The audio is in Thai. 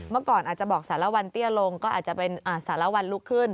เมื่อก่อนอาจจะบอกสารวันเตี้ยลงก็อาจจะเป็นสารวันลุกขึ้น